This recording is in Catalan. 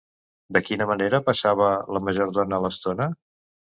De quina manera passava la majordona l'estona?